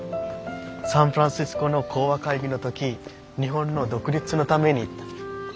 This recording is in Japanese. サンフランシスコの講和会議の時日本の独立のために言った。